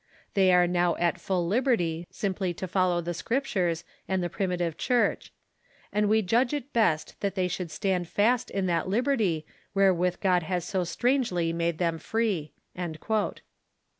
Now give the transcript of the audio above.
They are now at full liberty simply to follow the Scriptures and the Primitive Church, And we judge it best that they should stand fast in that liberty wherewith God has so strangely made them free."